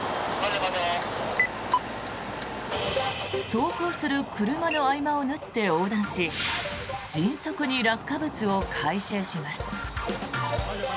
走行する車の合間を縫って横断し迅速に落下物を回収します。